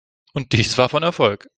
Und dies war von Erfolg.